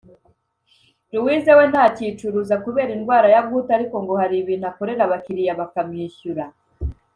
Louise we ntacyicuruza kubera indwara ya gute ariko ngo hari ibintu akorera abakiriya bakamwishyura